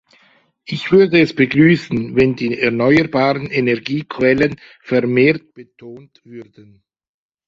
Ich würde es begrüßen, wenn die erneuerbaren Energiequellen vermehrt betont würden.